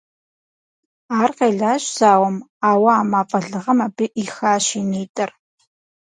Ар къелащ зауэм, ауэ а мафӀэ лыгъэм абы Ӏихащ и нитӀыр.